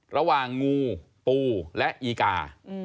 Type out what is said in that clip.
ระหว่างงูปูและอีกา